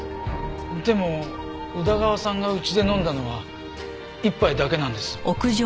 でも宇田川さんがうちで飲んだのは１杯だけなんです。